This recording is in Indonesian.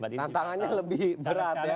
tantangannya lebih berat ya